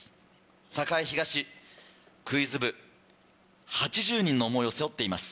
栄東クイズ部８０人の思いを背負っています。